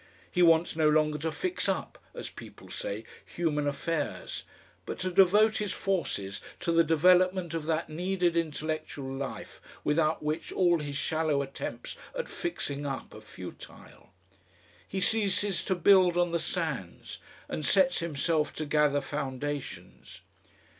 He wants no longer to "fix up," as people say, human affairs, but to devote his forces to the development of that needed intellectual life without which all his shallow attempts at fixing up are futile. He ceases to build on the sands, and sets himself to gather foundations.